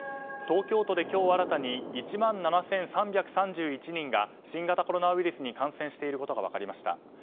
東京都で今日新たに１万７３３１人が新型コロナウイルスに感染していることが分かりました。